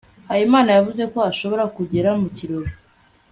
habimana yavuze ko ashobora kugera mu kirori